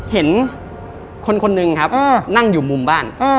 เห็นคนคนหนึ่งครับนั่งอยู่มุมบ้าน